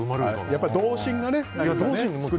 やっぱり童心がね。